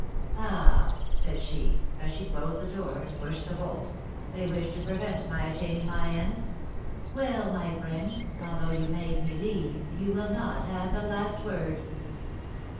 ^^Ah ! said she, as she closed the door and pushed the bolt, ''they wish to prevent my attaining my ends ! Well, my friends, although you made me leave, you will not have the last word